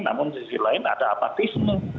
namun sisi lain ada apa pismu